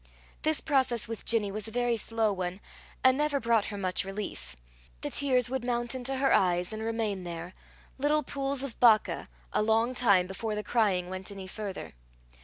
This process with Ginny was a very slow one, and never brought her much relief. The tears would mount into her eyes, and remain there, little pools of Baca, a long time before the crying went any further.